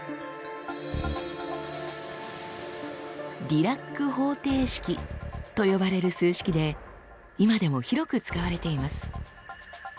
「ディラック方程式」と呼ばれる数式で今でも広く使われています。